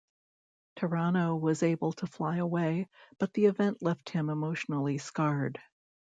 Pterano was able to fly away, but the event left him emotionally scarred.